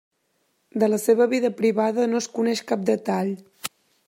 De la seva vida privada no es coneix cap detall.